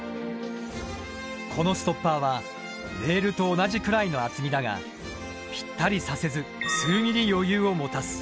このストッパーはレールと同じくらいの厚みだがぴったりさせず数ｍｍ余裕を持たす。